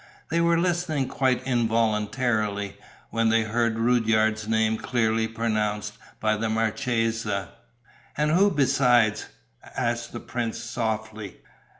They were listening quite involuntarily, when they heard Rudyard's name clearly pronounced by the marchesa. "And who besides?" asked the prince, softly.